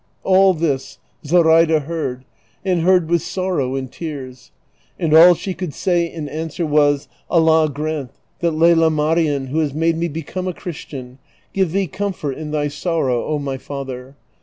All this Zoraida heard, and heard with sorrow and tears, and all she could say in answer was, " Allah grant that Lela JVlarien, who has made me become a Christian, give thee comfort in thy sorrow, () my father.